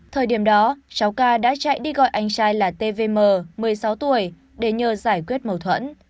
thời điểm đó cháu ca đã chạy đi gọi anh trai là tvm một mươi sáu tuổi để nhờ giải quyết mâu thuẫn